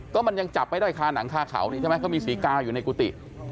ก็มันยังจับไม่ได้คาหนังคาเขานี่ใช่ไหมเขามีศรีกาอยู่ในกุฏิ